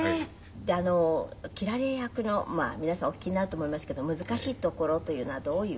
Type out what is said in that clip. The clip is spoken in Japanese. で斬られ役のまあ皆さんお聞きになると思いますけど難しいところというのはどういう？